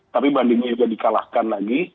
tapi bandingnya juga dikalahkan lagi